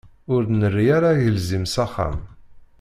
Ur d-nerri ara agelzim s axxam.